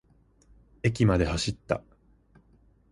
駅まで走った。